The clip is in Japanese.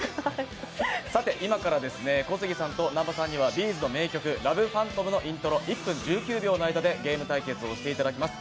今から、小杉さんと南波さんにはＢ’ｚの名曲「ＬＯＶＥＰＨＡＮＴＯＭ」のイントロ、１分１９秒の間でゲーム対決をしていただきます。